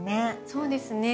そうですね。